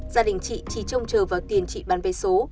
gia đình chị chỉ trông chờ vào tiền chị bán vé số